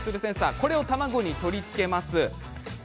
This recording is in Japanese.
これを卵に取り付けます。